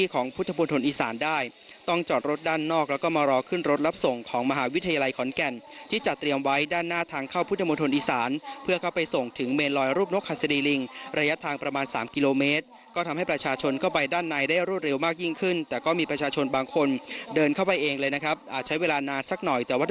ของพุทธมนตร์อีสานได้ต้องจอดรถด้านนอกแล้วก็มารอขึ้นรถรับส่งของมหาวิทยาลัยขอนแก่นที่จัดเตรียมไว้ด้านหน้าทางเข้าพุทธมนตรอีสานเพื่อเข้าไปส่งถึงเมนลอยรูปนกฮัศดีลิงระยะทางประมาณสามกิโลเมตรก็ทำให้ประชาชนเข้าไปด้านในได้รวดเร็วมากยิ่งขึ้นแต่ก็มีประชาชนบางคนเดินเข้าไปเองเลยนะครับอาจใช้เวลานานสักหน่อยแต่ว่า